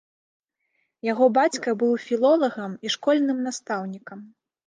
Яго бацька быў філолагам і школьным настаўнікам.